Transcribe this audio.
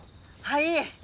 はい。